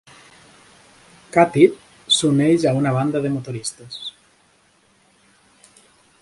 Cathy s'uneix a una banda de motoristes.